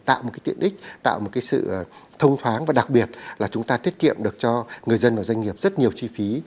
tạo một cái tiện ích tạo một cái sự thông thoáng và đặc biệt là chúng ta tiết kiệm được cho người dân và doanh nghiệp rất nhiều chi phí